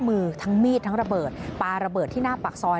มือทั้งมีดทั้งระเบิดปลาระเบิดที่หน้าปากซอย